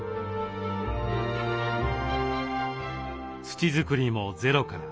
土作りもゼロから。